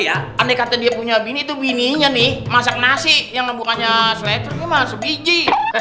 ya aneh kata dia punya bini tuh bininya nih masak nasi yang membukanya selesai masu biji